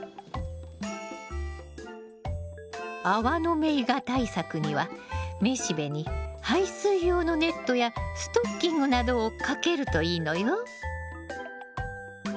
アワノメイガ対策には雌しべに排水用のネットやストッキングなどをかけるといいのよ。